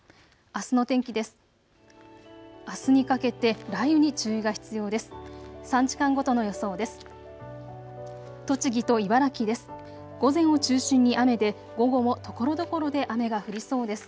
あすにかけて雷雨に注意が必要です。